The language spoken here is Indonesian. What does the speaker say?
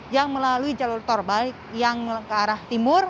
yang melalui jalur tol purbalenyi yang ke arah timur